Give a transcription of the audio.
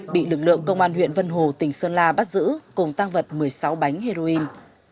bị lực lượng công an huyện vân hồ tỉnh sơn la bắt giữ cùng tăng vật một mươi sáu bánh heroin